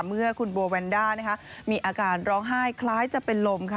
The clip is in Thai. เมื่อคุณโบแวนด้ามีอาการร้องไห้คล้ายจะเป็นลมค่ะ